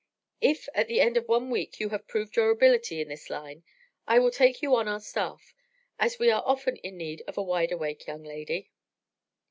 If, at the end of one week you have proved your ability in this line, I will take you on our staff, as we are often in need of a wide awake young lady."